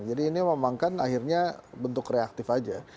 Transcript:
jadi ini memang kan akhirnya bentuk reaktif aja